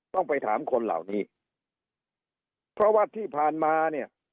ต้องไปถามคนเหล่านี้เพราะว่าที่ผ่านมาเนี่ย